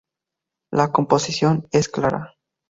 La composición es clara.